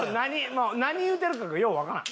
もう何言うてるかがようわからん。